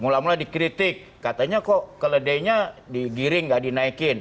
mula mula dikritik katanya kok keledainya digiring nggak dinaikin